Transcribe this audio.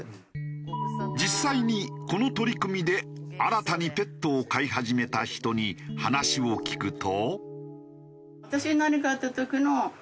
実際にこの取り組みで新たにペットを飼い始めた人に話を聞くと。